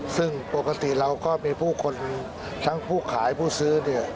ซึ่งปกติเราก็มีผู้คนทั้งผู้ขายผู้ซื้อเนี่ย